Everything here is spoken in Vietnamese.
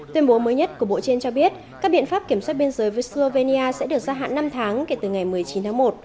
tuyên bố mới nhất của bộ trên cho biết các biện pháp kiểm soát biên giới với slovenia sẽ được gia hạn năm tháng kể từ ngày một mươi chín tháng một